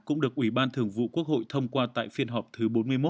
cũng được ủy ban thường vụ quốc hội thông qua tại phiên họp thứ bốn mươi một